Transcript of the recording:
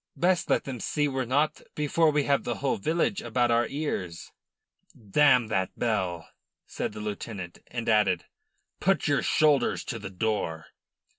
"Best let them see we're not before we have the whole village about our ears." "Damn that bell," said the lieutenant, and added: "Put your shoulders to the door."